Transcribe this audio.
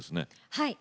はい。